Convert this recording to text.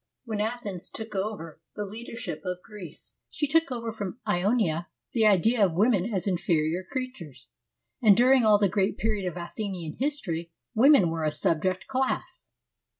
When Athens took over the leader ship of Greece, she took over from Ionia the idea of women as inferior creatures, and during all the great period of Athenian history women were a subject class.